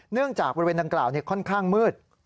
เนื่องจากบริเวณดังกล่าวค่อนข้างมืด